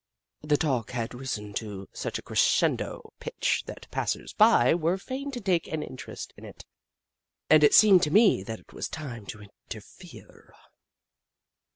The talk had risen to such a crescendo pitch that passers by were fain to take an interest in it, and it seemed to me that it was time to interfere.